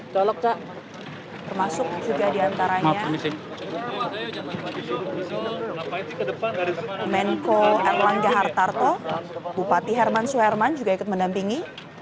tolong juga diantaranya menko erlangga hartarto bupati herman suherman juga ikut mendampingi